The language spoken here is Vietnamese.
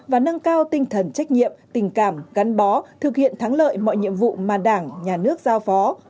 và nâng cao tinh thần trách nhiệm tình cảm gắn bó thực hiện thắng lợi mọi nhiệm vụ mà đảng nhà nước giao phó